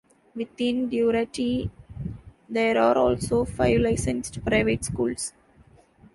Within Duarte, there are also five licensed private schools.